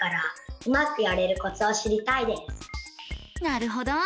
なるほど。